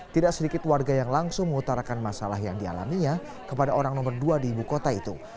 tidak sedikit warga yang langsung mengutarakan masalah yang dialaminya kepada orang nomor dua di ibu kota itu